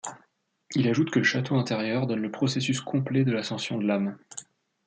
Il ajoute que le Château intérieur donne le processus complet de l’ascension de l'âme.